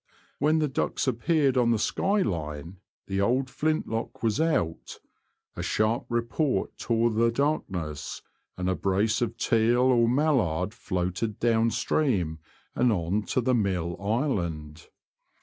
When the ducks appeared on the sky line the old flint lock was out, a sharp report tore the darkness^ and a brace of teal or mallard floated down stream, and on to the mill island.